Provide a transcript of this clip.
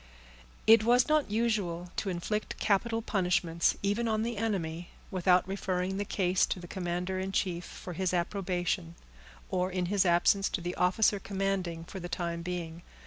It was not usual to inflict capital punishments, even on the enemy, without referring the case to the commander in chief, for his approbation; or, in his absence, to the officer commanding for the time being.